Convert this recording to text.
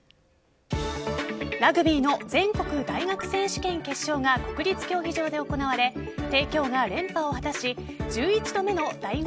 ラグビーの全国大学選手権決勝が国立競技場で行われ帝京が連覇を果たし１１度目の大学